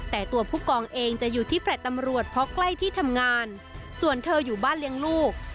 แต่ตัวผู้กองเองจะอยู่ที่แฟลต์ตำรวจเพราะใกล้ที่ทำงานส่วนเธออยู่บ้านเลี้ยงลูก